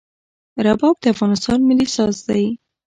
رباب د افغانستان ملي ساز دی.